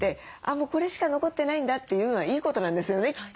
もうこれしか残ってないんだというのはいいことなんですよねきっと。